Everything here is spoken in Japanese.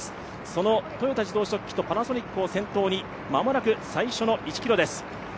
その豊田自動織機とパナソニックを先頭に間もなく最初の１ｋｍです。